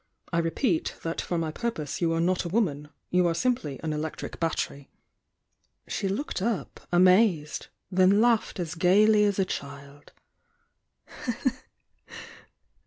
I repeat, that for my purpose, you are not a woman, — you are simply an electric bat tery." She looked up, amazed— then laughed as gaily as a child.